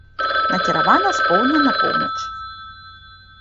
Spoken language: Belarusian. Накіравана з поўдня на поўнач.